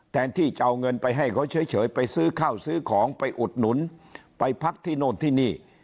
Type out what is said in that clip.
ที่จะเอาเงินไปให้เขาเฉยไปซื้อข้าวซื้อของไปอุดหนุนไปพักที่โน่นที่นี่